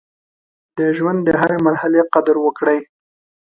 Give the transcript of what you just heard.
د ژوند د هرې مرحلې قدر وکړئ.